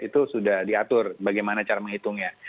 itu sudah diatur bagaimana cara menghitungnya